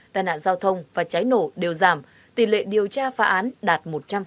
tài nạn giao thông và cháy nổ đều giảm tỷ lệ điều tra phá án đạt một trăm linh